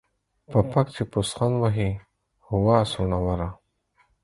په پک چې پوسخند وهې ، وا څوڼوره.